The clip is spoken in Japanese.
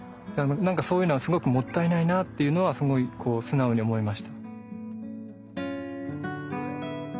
なんかそういうのはすごくもったいないなっていうのはすごいこう素直に思いました。